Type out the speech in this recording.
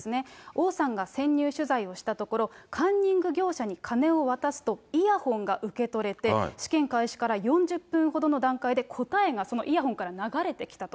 王さんが潜入取材をしたところ、カンニング業者に金を渡すとイヤホンが受け取れて、試験開始から４０分ほどの段階で、答えがそのイヤホンから流れてきたと。